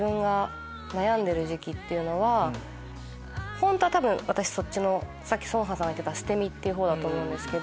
本当は多分私そっちの。さっき成河さんが言ってた捨て身っていう方だと思うんです。